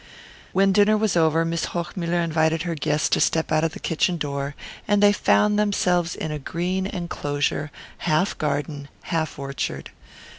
When dinner was over Mrs. Hochmuller invited her guests to step out of the kitchen door, and they found themselves in a green enclosure, half garden, half orchard.